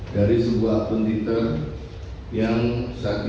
dari sebuah akun twitter yang sakit